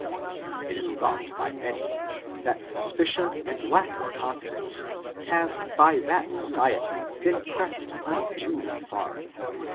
It is thought by many that suspicion and lack of confidence have by that Society been pressed unduly far.